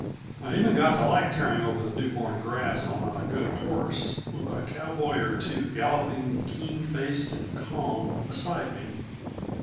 I even got to like tearing over the newborn grass on a good horse, with a cowboy or two galloping, keen faced and calm, beside me.